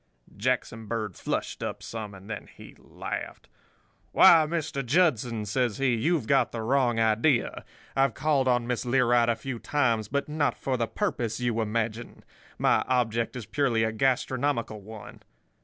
"Jackson Bird flushed up some, and then he laughed. "'Why, Mr. Judson,' says he, 'you've got the wrong idea. I've called on Miss Learight a few times; but not for the purpose you imagine. My object is purely a gastronomical one.